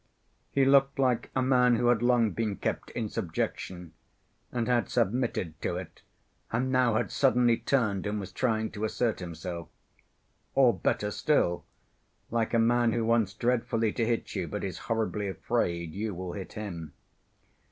He looked like a man who had long been kept in subjection and had submitted to it, and now had suddenly turned and was trying to assert himself. Or, better still, like a man who wants dreadfully to hit you but is horribly afraid you will hit him.